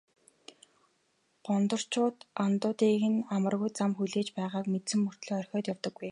Гондорчууд андуудыг нь амаргүй зам хүлээж байгааг мэдсэн мөртөө орхиод явдаггүй.